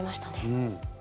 うん。